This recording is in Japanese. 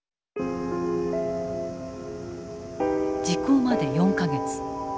時効まで４か月。